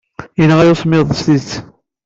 Yenɣa-iyi usemmiḍ s tidet.